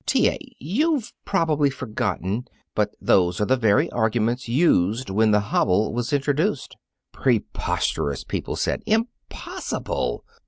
"T. A., you've probably forgotten, but those are the very arguments used when the hobble was introduced. Preposterous, people said impossible!